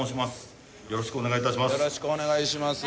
よろしくお願いします。